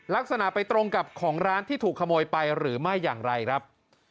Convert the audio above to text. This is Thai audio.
ลักษณะไปตรงกับของร้านที่ถูกขโมยไปหรือไม่อย่างไรครับ